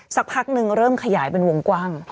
สักพักนึงเริ่มขยายเป็นวงกว้าง